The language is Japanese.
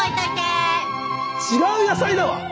違う野菜だわ。